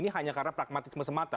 hanya karena pragmatisme semata